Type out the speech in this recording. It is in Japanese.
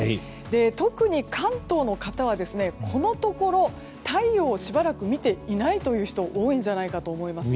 特に関東の方はこのところ太陽をしばらく見ていないという人が多いんじゃないかと思います。